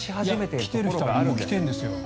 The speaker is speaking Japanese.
来てる人はもう来てるんですよ。